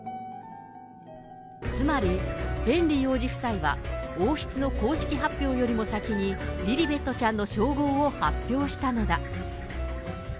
つまり、ヘンリー王子夫妻は、王室の公式発表よりも先に、リリベットちゃんの称号を発表したのだ。